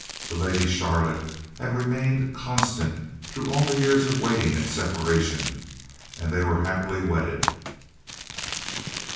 The Lady Charlotte had remained constant through all the years of waiting and separation, and they were happily wedded.